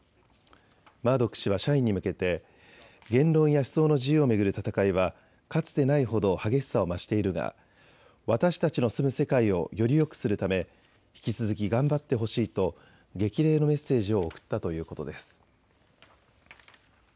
マードック氏は社員に向けて言論や思想の自由を巡る戦いはかつてないほど激しさを増しているが私たちの住む世界をよりよくするため、引き続き頑張ってほしいと激励のメッセージを送ったということです。